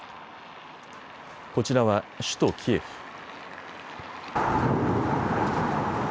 こちらは首都キエフ。